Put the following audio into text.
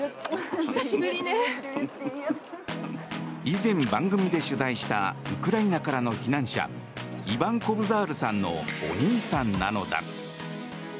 以前、番組で取材したウクライナからの避難者イバン・コブザールさんのお兄さんなのだ。